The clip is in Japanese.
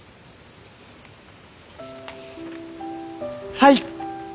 はい！